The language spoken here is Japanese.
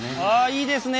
いいですね！